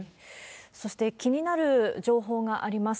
そして気になる情報があります。